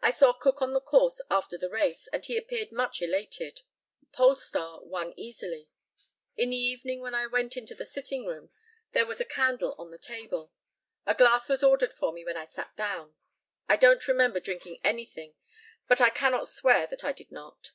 I saw Cook on the course after the race, and he appeared much elated. Polestar won easily. In the evening, when I went into the sitting room, there was a candle on the table. A glass was ordered for me when I sat down. I don't remember drinking anything, but I cannot swear that I did not.